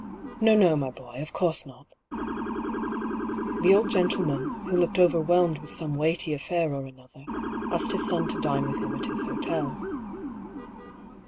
" No, no, my boy ; of course not" The old gentleman, who looked overwhelmed with some weighty affair or another, asked his son to dine with him at his hotel.